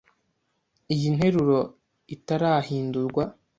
Iyi nteruro itarahindurwa.